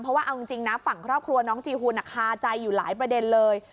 เพราะว่าเอาจริงนะฝั่งครอบครัวน้องจีฮูนคาใจอยู่หลายประเด็นเลย